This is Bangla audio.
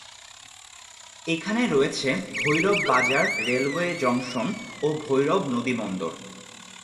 এখানে রয়েছে ভৈরব বাজার রেলওয়ে জংশন ও ভৈরব নদী বন্দর।